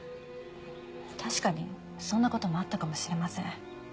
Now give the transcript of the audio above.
確かにそんな事もあったかもしれません。